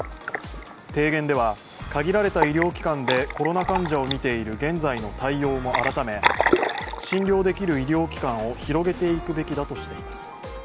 提言では、限られた医療機関でコロナ患者を診ている現在の対応も改め診療できる医療機関を広げていくべきだとしています。